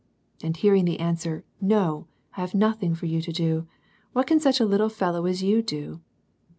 and hearing the answer, "No: I have nothing for you to doj what can such a little fellow as you do